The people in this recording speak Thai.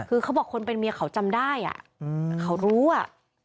คือเขาบอกคนเป็นเมียเขาจำได้อ่ะเขารู้อ่ะ